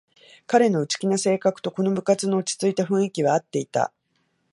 彼の内気な性格とこの部活の落ちついた雰囲気はあっていた